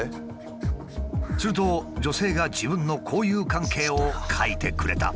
すると女性が自分の交友関係を書いてくれた。